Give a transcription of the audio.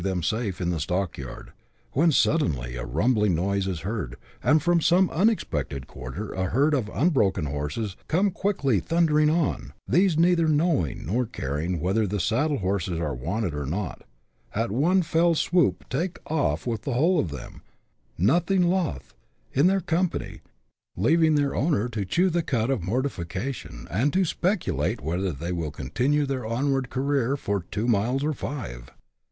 77 them safe in the stockyard, when suddenly a rumbling noise is heard, and from some unexpected quarter a herd of un broken horses " come quickly thundering on ;" these, neither knowing nor caring whether the saddle horses are wanted or not, at one fell swoop take off the whole of them, nothing loth, in their company, leaving their owner to chew the cud of mortifi cation and to speculate whether they will continue their onward career for two miles or five.